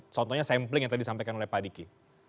contohnya sampling yang tadi disampaikan oleh pak diki